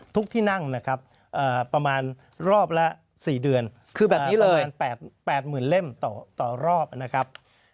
ทุกที่นั่งประมาณรอบละ๔เดือนประมาณ๘๐๐๐๐เล่มต่อรอบนะครับ